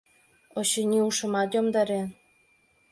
Очыни, ушымат йомдарен.